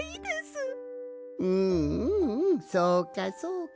うんうんうんそうかそうか。